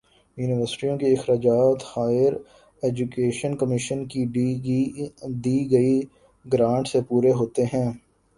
یونیورسٹیوں کے اخراجات ہائیر ایجوکیشن کمیشن کی دی گئی گرانٹ سے پورے ہوتے ہیں